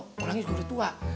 kurangnya juga udah tua